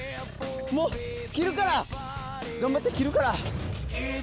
もう切るから頑張って切るから。